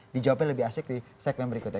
dijawabnya lebih asik di segmen berikutnya